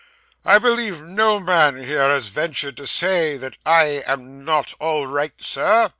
'I believe no man here has ventured to say that I am not all right, Sir?